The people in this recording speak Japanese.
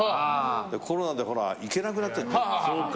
コロナで、ほら行けなくなっちゃったじゃない。